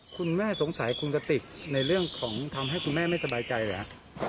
คุณแม่สงสัยคุณกติกในเรื่องของทำให้คุณแม่ไม่สบายใจหรือครับ